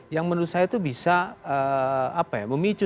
yang menurut saya itu bisa memicu